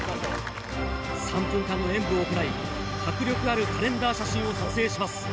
３分間の演舞を行い、迫力あるカレンダー写真を撮影します。